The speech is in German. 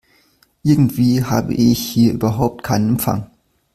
Irgendwie habe ich hier überhaupt keinen Empfang.